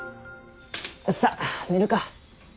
さっ寝るか。